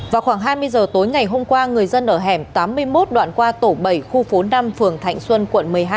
vào khoảng hai mươi giờ tối ngày hôm qua người dân ở hẻm tám mươi một đoạn qua tổ bảy khu phố năm phường thạnh xuân quận một mươi hai